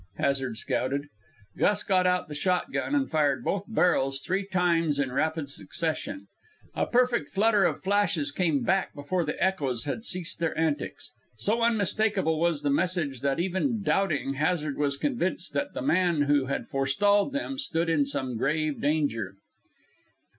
Hazard scouted. Gus got out the shotgun and fired both barrels three times in rapid succession. A perfect flutter of flashes came back before the echoes had ceased their antics. So unmistakable was the message that even doubting Hazard was convinced that the man who had forestalled them stood in some grave danger.